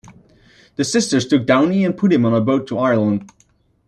The sisters took Downey and put him on a boat to Ireland.